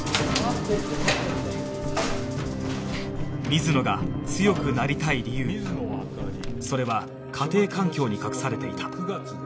水野が強くなりたい理由それは家庭環境に隠されていた